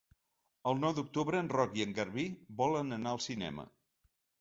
El nou d'octubre en Roc i en Garbí volen anar al cinema.